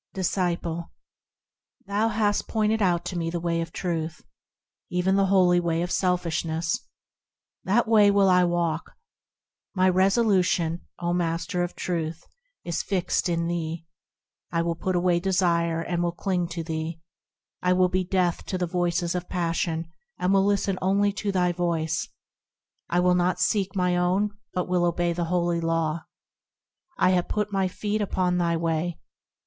Disciple. Thou hast pointed out to me the way of Truth, Even the holy way of selfishness. That way will I walk ; My resolution, O Master of Truth ! is fixed in thee. I will put away desire, and will cling to thee ; I will be deaf to the voices of passion, and will listen only to thy voice ; I will not seek my own, but will obey the holy Law. Lo ! I have put my feet upon thy way.